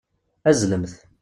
Azzlemt.